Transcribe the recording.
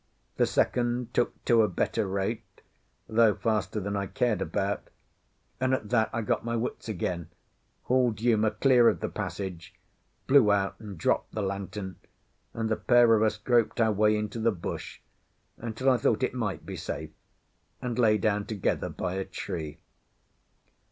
The second took to a better rate, though faster than I cared about; and at that I got my wits again, hauled Uma clear of the passage, blew out and dropped the lantern, and the pair of us groped our way into the bush until I thought it might be safe, and lay down together by a tree.